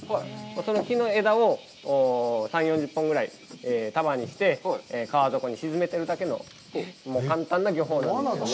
その木の枝を３０４０本ぐらい束にして川底に沈めてるだけの、簡単な漁法なんですけど。